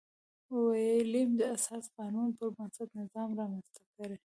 ویلیم د اساسي قانون پربنسټ نظام رامنځته کړي.